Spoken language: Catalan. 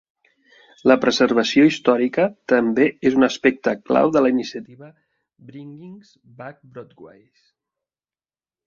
La preservació històrica també és un aspecte clau de la iniciativa "Bringing Back Broadway".